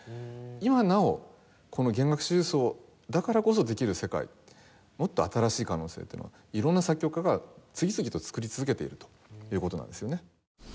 今なおこの弦楽四重奏だからこそできる世界もっと新しい可能性というのを色んな作曲家が次々と作り続けているという事なんですよね。